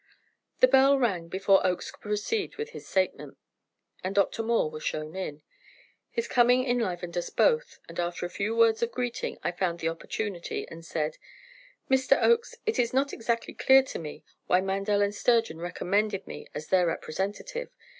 The bell rang before Oakes could proceed with his statement, and Dr. Moore was shown in. His coming enlivened us both, and after a few words of greeting I found the opportunity, and said: "Mr. Oakes, it is not exactly clear to me why Mandel & Sturgeon recommended me as their representative.